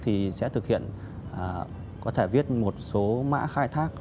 thì sẽ thực hiện có thể viết một số mã khai thác